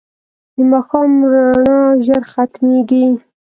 د ماښام رڼا ژر ختمېږي